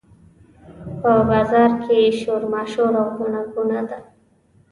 په بازار کې شورماشور او ګڼه ګوڼه ده.